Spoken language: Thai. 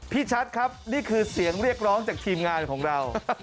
ชัดครับนี่คือเสียงเรียกร้องจากทีมงานของเรา